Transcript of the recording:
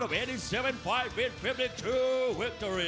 สวัสดีครับทุกคน